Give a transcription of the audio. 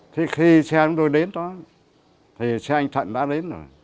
thì khi xe của tôi đến đó thì xe anh thận đã đến rồi